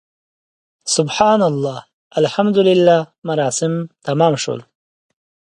سبحان الله، الحمدلله مراسم تمام شول.